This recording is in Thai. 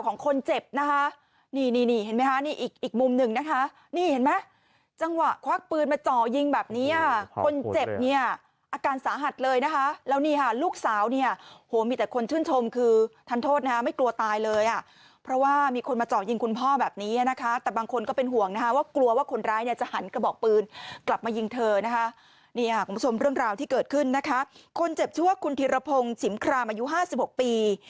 นี่คุณผู้ชมเรื่องราวที่เกิดขึ้นคนเจ็บชั่วคุณธิรพงศ์ฉิมครามอายุ๕๖ปี